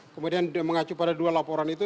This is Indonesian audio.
kemudian mengacu pada dua laporan itu